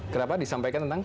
kenapa disampaikan tentang